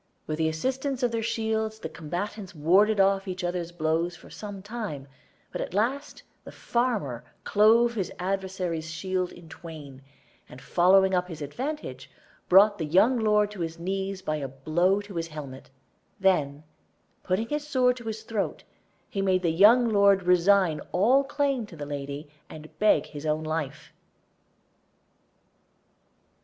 With the assistance of their shields the combatants warded off each other's blows for some time, but at last the farmer clove his adversary's shield in twain, and following up his advantage, brought the young lord to his knees by a blow on his helmet. Then putting his sword to his throat, he made the young lord resign all claim to the lady, and beg his own life.